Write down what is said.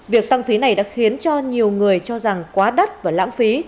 việc tăng phí này đã khiến cho nhiều người cho rằng quá đắt và lãng phí